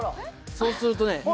そうするとねどう？